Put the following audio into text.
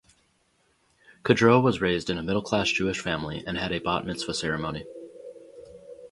Kudrow was raised in a middle-class Jewish family and had a Bat Mitzvah ceremony.